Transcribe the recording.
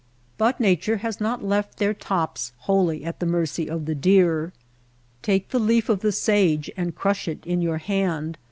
But Nature has not left their tops wholly at the mercy of the deer. Take the leaf of the sage and crush it in your hand.